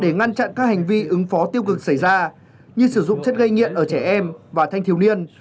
để ngăn chặn các hành vi ứng phó tiêu cực xảy ra như sử dụng chất gây nghiện ở trẻ em và thanh thiếu niên